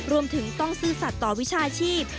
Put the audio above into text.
รวมถึงต้องซื่อสัตว์ต่อวิชาชีพ